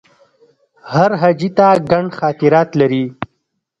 هر حاجي ته ګڼ خاطرات لري.